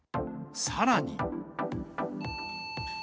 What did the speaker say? さらに。